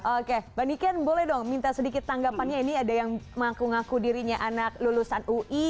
oke mbak niken boleh dong minta sedikit tanggapannya ini ada yang mengaku ngaku dirinya anak lulusan ui